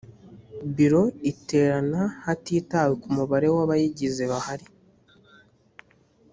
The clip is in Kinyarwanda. biro iterana hatitawe ku mubare w’abayigize bahari.